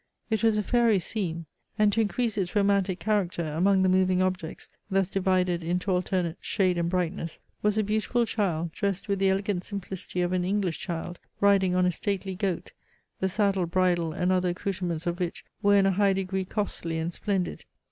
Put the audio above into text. It was a fairy scene! and to increase its romantic character, among the moving objects, thus divided into alternate shade and brightness, was a beautiful child, dressed with the elegant simplicity of an English child, riding on a stately goat, the saddle, bridle, and other accoutrements of which were in a high degree costly and splendid.